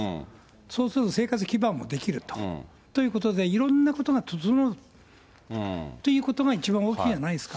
そうすると生活基盤も出来ると、ということで、いろんなことが整うということが、一番大きいんじゃないですか。